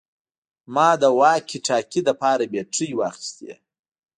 ما د واکي ټاکي لپاره بیټرۍ واخیستې